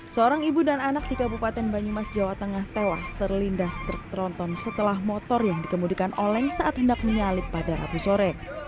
seorang ibu dan anak di kabupaten banyumas jawa tengah tewas terlindas truk tronton setelah motor yang dikemudikan oleng saat hendak menyalip pada rabu sore